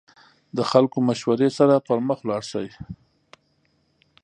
د خلکو مشورې سره پرمخ لاړ شئ.